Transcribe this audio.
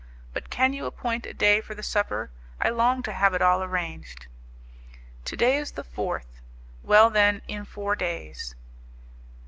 But can you appoint a day for the supper? I long to have it all arranged." "To day is the fourth; well, then, in four days."